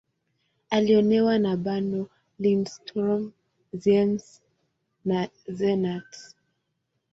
Aliolewa na Bernow, Lindström, Ziems, na Renat.